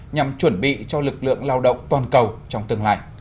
nhằm chuẩn bị cho lực lượng lao động toàn cầu trong tương lai